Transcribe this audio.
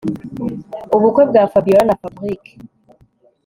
ubukwe bwa Fabiora na Fabric